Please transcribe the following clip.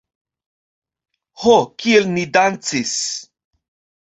Ho, kiel ni dancis!